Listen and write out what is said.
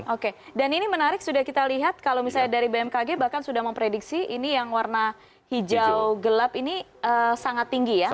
oke dan ini menarik sudah kita lihat kalau misalnya dari bmkg bahkan sudah memprediksi ini yang warna hijau gelap ini sangat tinggi ya